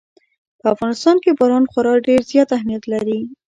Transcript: په افغانستان کې باران خورا ډېر زیات اهمیت لري.